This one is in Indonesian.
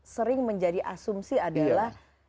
sering menjadi asumsi adalah